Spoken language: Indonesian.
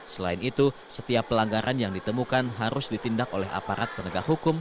selain itu setiap pelanggaran yang ditemukan harus ditindak oleh aparat penegak hukum